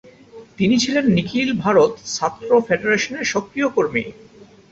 তিনি ছিলেন নিখিল ভারত ছাত্র ফেডারেশনের সক্রিয় কর্মী।